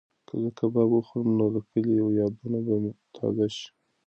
که زه کباب وخورم نو د کلي یادونه به مې تازه شي.